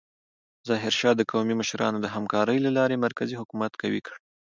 ظاهرشاه د قومي مشرانو د همکارۍ له لارې مرکزي حکومت قوي کړ.